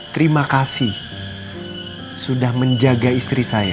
terima kasih sudah menjaga istri saya